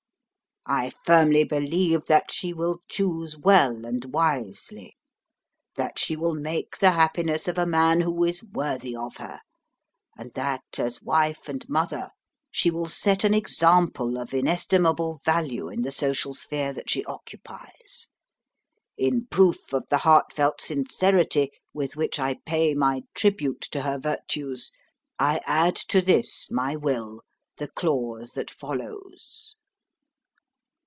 I firmly believe that she will choose well and wisely, that she will make the happiness of a man who is worthy of her, and that, as wife and mother, she will set an example of inestimable value in the social sphere that she occupies. In proof of the heartfelt sincerity with which I pay my tribute to her virtues, I add to this, my will, the clause that follows."